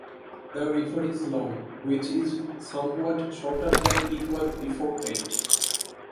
The river is long, which is somewhat shorter than it was beforehand.